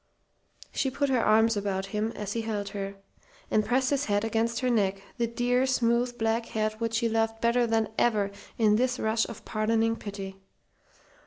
She put her arms around him as he held her, and pressed his head against her neck the dear, smooth black head which she loved better than ever in this rush of pardoning pity.